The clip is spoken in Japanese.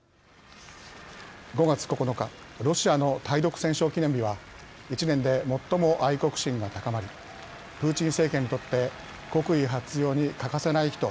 ５月９日ロシアの対独戦勝記念日は一年で最も愛国心が高まりプーチン政権にとって国威発揚に欠かせない日と位置づけられてきました。